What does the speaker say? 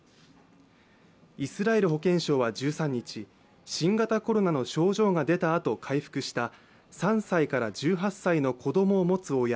イスラエル保健省は１３日、新型コロナの症状が出たあと回復した３歳から１８歳の子供を持つ親